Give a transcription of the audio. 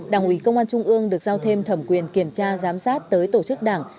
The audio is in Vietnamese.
đảng ủy công an trung ương được giao thêm thẩm quyền kiểm tra giám sát tới tổ chức đảng